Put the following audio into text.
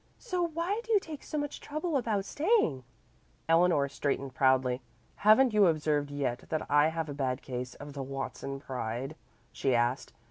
So why do you take so much trouble about staying?" Eleanor straightened proudly. "Haven't you observed yet that I have a bad case of the Watson pride?" she asked.